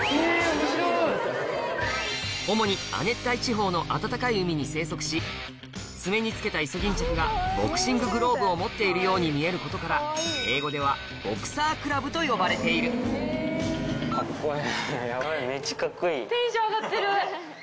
主に亜熱帯地方の暖かい海に生息し爪に付けたイソギンチャクがボクシンググローブを持っているように見えることから英語ではボクサークラブと呼ばれているこれ。